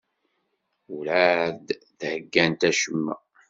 Werɛad d-heyyant acemma.